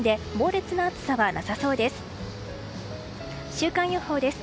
週間予報です。